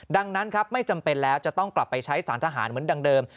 ดังนั้นครับไม่จำเป็นแล้วจะต้องกลับไปใช้สารทหารเหมือนดังเดิม